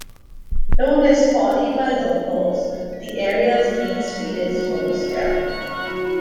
Known as Poly by locals, the areas main street is Rosedale.